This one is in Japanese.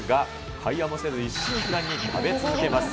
会話もせず一心不乱に食べ続けます。